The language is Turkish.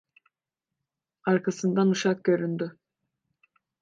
Arkasından uşak göründü.